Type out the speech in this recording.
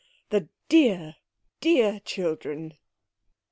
The dear, dear children!"